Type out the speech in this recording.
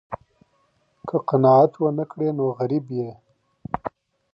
که قناعت ونه کړې نو غریب یې.